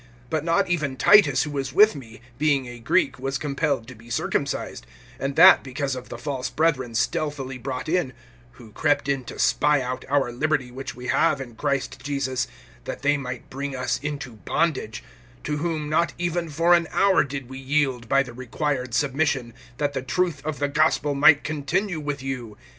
(3)But not even Titus, who was with me, being a Greek, was compelled to be circumcised; (4)and that because of the false brethren stealthily brought in, who crept in to spy out our liberty which we have in Christ Jesus, that they might bring us into bondage; (5)to whom not even for an hour did we yield by the [required] submission, that the truth of the gospel might continue with you.